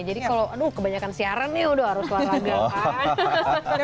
jadi kalau aduh kebanyakan siaran ya udah harus olahraga kan